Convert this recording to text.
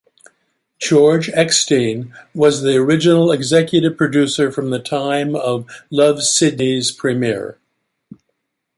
George Eckstein was the original executive producer from the time of "Love, Sidney"'s premiere.